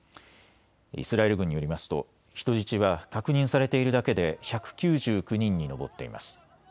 イスラエル軍によりますと人質は確認されているだけで１９９人に上っています。